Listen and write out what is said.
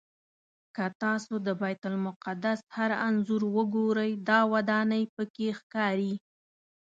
که تاسو د بیت المقدس هر انځور وګورئ دا ودانۍ پکې ښکاري.